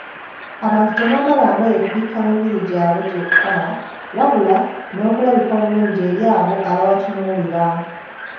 Abantu tebambala ngoye kubikka mibiri gyabwe gyokka, wabula n'okulabika obulungi eri abo ababatunuulira.